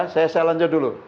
saya lanjut dulu